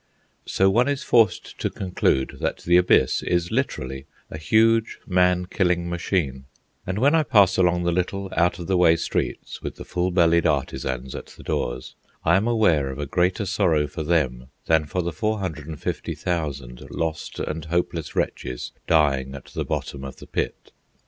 So one is forced to conclude that the Abyss is literally a huge man killing machine, and when I pass along the little out of the way streets with the full bellied artisans at the doors, I am aware of a greater sorrow for them than for the 450,000 lost and hopeless wretches dying at the bottom of the pit.